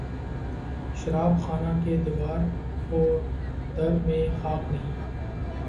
شراب خانہ کے دیوار و در میں خاک نہیں